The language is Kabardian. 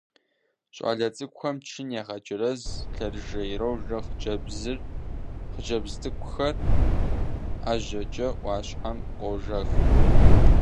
ЩӀалэ цӀыкӀухэм чын ягъэджэрэз, лъэрыжэ ирожэ, хъыджэбз цӀыкӀухэр ӀэжьэкӀэ Ӏуащхьэм къожэх.